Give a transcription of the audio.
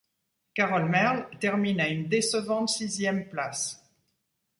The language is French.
Carole Merle termine à une décevante sixième place.